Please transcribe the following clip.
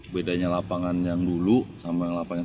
bedanya lapangan yang dulu sama yang sekarang apa enggak